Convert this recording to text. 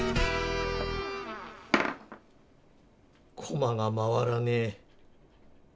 コマが回らねえ。